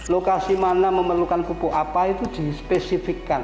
lokasi mana memerlukan pupuk apa itu dispesifikan